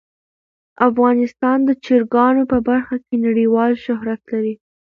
افغانستان د چرګانو په برخه کې نړیوال شهرت لري.